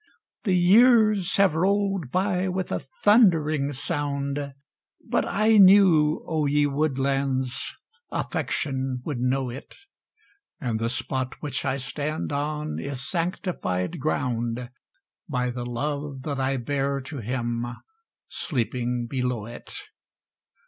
The years have rolled by with a thundering sound But I knew, O ye woodlands, affection would know it, And the spot which I stand on is sanctified ground By the love that I bear to him sleeping below it.